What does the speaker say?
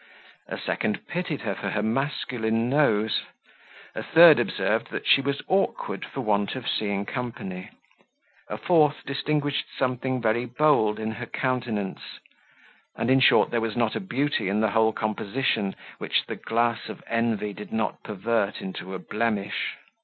a second pitied her for her masculine nose; a third observed, that she was awkward for want of seeing company; a fourth distinguished something very bold in her countenance; and, in short, there was not a beauty in her whole composition which the glass of envy did not pervert into a blemish.